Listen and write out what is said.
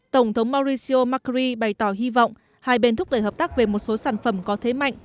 tổng thống mauricio macri bày tỏ hy vọng hai bên thúc đẩy hợp tác về một số sản phẩm có thế mạnh